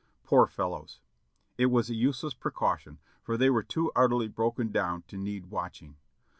Poor fellows! It was a use less precaution, for they were too utterly broken down to need watching.